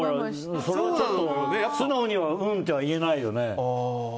素直には、うんと言えないよね。